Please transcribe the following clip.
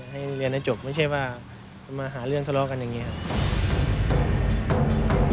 ให้เรียนให้จบไม่ใช่ว่ามาหาเรื่องทะเลาะกันอย่างนี้ครับ